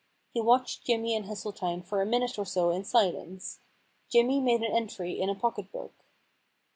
He watched Jimmy and Hesseltine for a minute or so in silence. Jimmy made an entry in a pocket book.